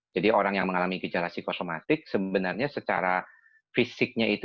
jadi orang yang mengalami gejala psikosomatik sebenarnya secara fisiknya itu